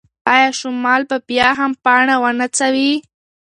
ایا شمال به بیا هم پاڼه ونڅوي؟